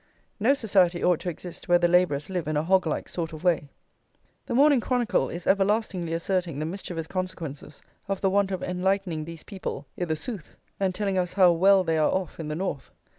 No society ought to exist where the labourers live in a hog like sort of way. The Morning Chronicle is everlastingly asserting the mischievous consequences of the want of enlightening these people "i' th a Sooth;" and telling us how well they are off in the North.